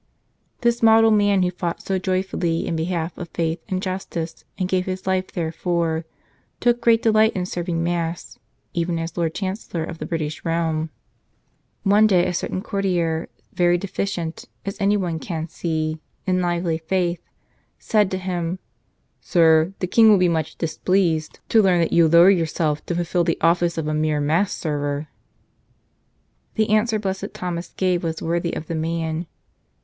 This model man, who fought so joyfully in behalf of faith and justice and gave his life therefor, took great delight in serving Mass, even as Lord Chancellor of the British realm. One day a certain courtier, very deficient, as anyone can see, in lively faith, said to him, "Sir, the King will be much displeased to learn 145 "Tell Us A nother !"\' that you lower yourself to fulfill the office of a mere Mass server." The answer Blessed Thomas gave was worthy of the man.